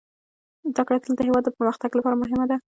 زده کړه تل د هېواد د پرمختګ لپاره مهمه ده.